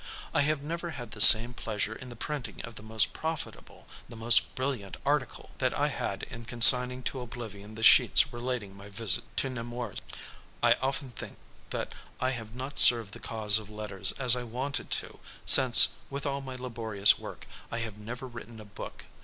I have never had the same pleasure in the printing of the most profitable, the most brilliant article that I had in consigning to oblivion the sheets relating my visit to Nemours. I often think that I have not served the cause of letters as I wanted to, since, with all my laborious work I have never written a book.